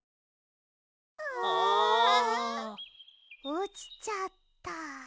おちちゃった。